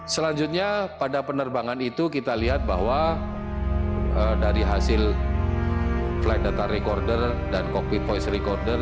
selanjutnya pada penerbangan itu kita lihat bahwa dari hasil flight data recorder dan cockpit voice recorder